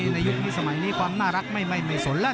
ในยุคนี้สมัยนี้ความน่ารักไม่สนแล้ว